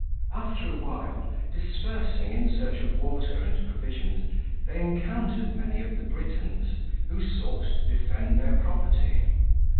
After a while, dispersing in search of water and provisions, they encountered many of the Britons, who sought to defend their property.